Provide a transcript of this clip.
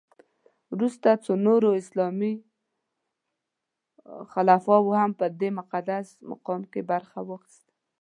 وروسته څو نورو اسلامي خلفاوو هم په دې مقدس مقام کې برخه واخیسته.